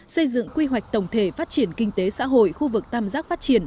xây dựng quy hoạch tổng thể phát triển kinh tế xã hội khu vực tam giác phát triển